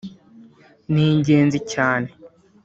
ni ingenzi cyane